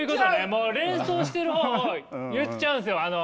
もう連想してる方を言っちゃうんですよ！